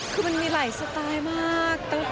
คือมันมีหลายสไตล์มาก